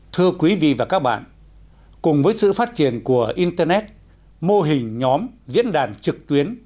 thưa quý vị và các bạn cùng với sự phát triển của internet mô hình nhóm diễn đàn trực tuyến